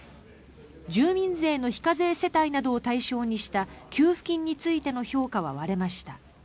住民税の非課税世帯などを対象にした給付金についての評価は割れました。